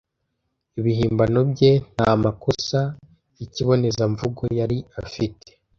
Ibihimbano bye nta makosa yikibonezamvugo yari afite.